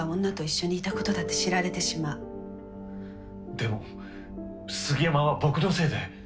でも杉山は僕のせいで。